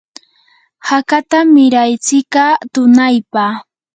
hakatam miratsiyka tunaypa.